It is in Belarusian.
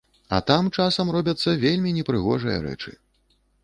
А там часам робяцца вельмі непрыгожыя рэчы.